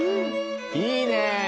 いいね！